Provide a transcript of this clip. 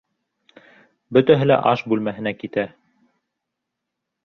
Бөтәһе лә аш бүлмәһенә китә.